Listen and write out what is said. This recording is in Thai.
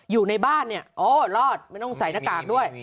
อยู่ในบ้านเนี่ยโอ้รอดไม่ต้องใส่หน้ากากด้วย